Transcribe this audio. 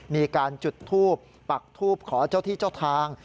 มีการจุดทูปปักทูบขอเจ้าที่เจ้าทาง